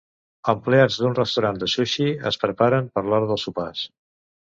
Empleats d'un restaurant de sushi es preparen per l'hora dels sopars